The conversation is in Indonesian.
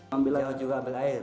jauh juga ambil air